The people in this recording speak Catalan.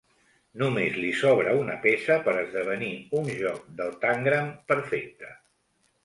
Només li sobra una peça per esdevenir un joc del Tangram perfecte.